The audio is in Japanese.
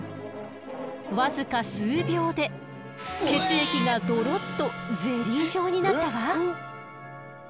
僅か数秒で血液がドロッとゼリー状になったわ！